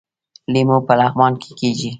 لیمو په لغمان کې کیږي